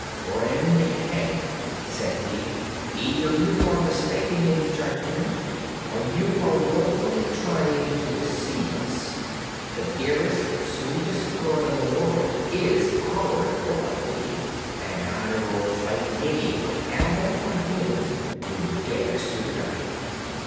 "Friend Hank," said he, "either you are mistaken in judgment or you are willfully trying to deceive us. The dearest, sweetest girl in the world is our Dorothy, and I will fight anyone animal or human who dares to deny it!"